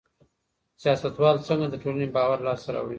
سياستوال څنګه د ټولني باور لاسته راوړي؟